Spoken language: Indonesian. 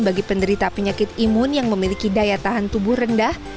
bagi penderita penyakit imun yang memiliki daya tahan tubuh rendah